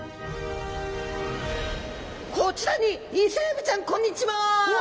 こちらにイセエビちゃんこんにちは！